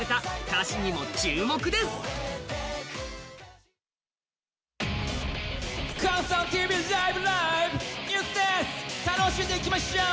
楽しんでいきましょう！